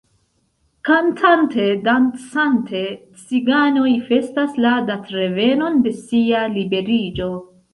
Kantante, dancante, ciganoj festas la datrevenon de sia liberiĝo.